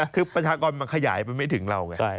คือประชากรมันขยายไปไม่ถึงเราไง